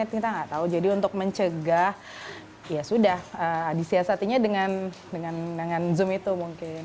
kita nggak tahu jadi untuk mencegah ya sudah disiasatinya dengan zoom itu mungkin